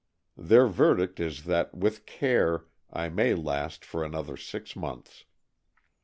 Their verdict is that with care I may last for another six months.